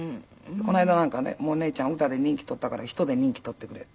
この間なんかね「もう姉ちゃん歌で人気取ったから人で人気取ってくれ」